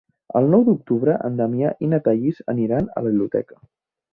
El nou d'octubre en Damià i na Thaís aniran a la biblioteca.